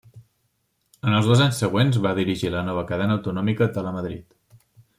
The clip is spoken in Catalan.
En els dos anys següents va dirigir la nova cadena autonòmica Telemadrid.